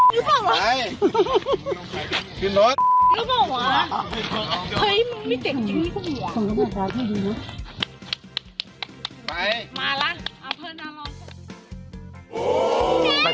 ดูจนหอบแล้วน่ะ